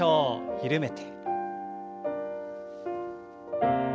緩めて。